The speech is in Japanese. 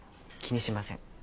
気にしません。